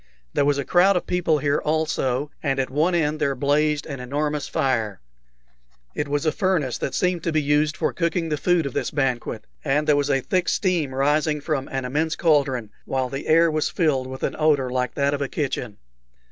There was a crowd of people here also, and at one end there blazed an enormous fire. It was a furnace that seemed to be used for cooking the food of this banquet, and there was a thick steam rising from an immense cauldron, while the air was filled with an odor like that of a kitchen.